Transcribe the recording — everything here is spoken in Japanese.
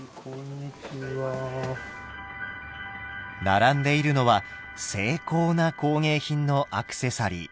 並んでいるのは精巧な工芸品のアクセサリー。